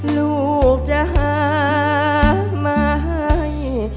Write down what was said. ลูกจะหาไม่